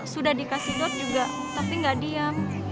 sudah dikasih dot juga tapi nggak diam